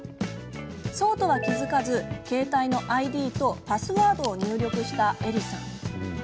そうとは気付かず携帯のＩＤとパスワードを入力したエリさん。